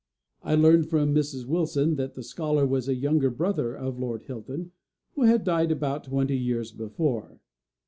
I learned from Mrs. Wilson that this scholar was a younger brother of Lord Hilton, who had died about twenty years before.